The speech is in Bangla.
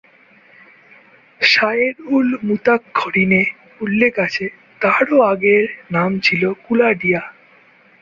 সয়েরউল-মুতাক্ষরীণ এ উল্লেখ আছে তারও আগে নাম ছিল কুলাডিয়া।